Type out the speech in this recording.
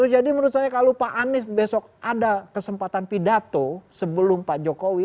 jadi menurut saya kalau pak anies besok ada kesempatan pidato sebelum pak jokowi